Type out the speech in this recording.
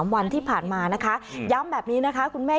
วันที่ผ่านมานะคะย้ำแบบนี้นะคะคุณแม่